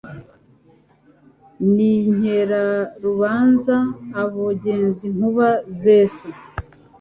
N' inkerarubanza; Abogeza inkuba zesa,